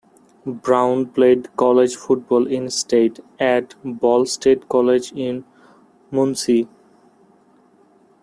Brown played college football in state at Ball State College in Muncie.